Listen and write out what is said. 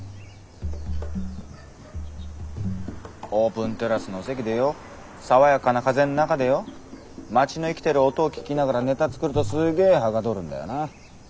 オープンテラスの席でよォ爽やかな風の中でよォ町の生きてる音を聴きながらネタ作るとスゲー捗るんだよな。